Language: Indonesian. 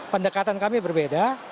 pendekatan kami berbeda